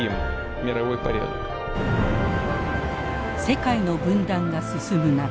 世界の分断が進む中